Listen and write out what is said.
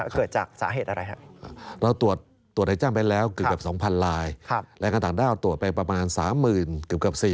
ครับทุกวันนี้ก็ยังตรวจกันอยู่ครับ